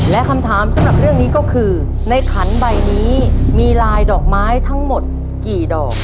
และคำถามสำหรับเรื่องนี้ก็คือในขันใบนี้มีลายดอกไม้ทั้งหมดกี่ดอก